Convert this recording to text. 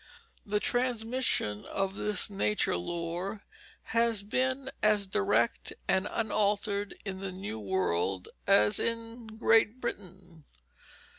The transmission of this nature lore has been as direct and unaltered in the new world as in Great Britain.